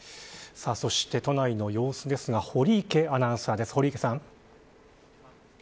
そして、都内の様子ですが堀池アナウンサーです。